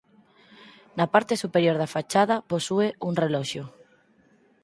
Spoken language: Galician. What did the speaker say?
Na parte superior da fachada posúe un reloxo.